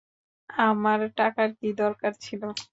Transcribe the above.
আমার টাকার কী দরকার ছিল।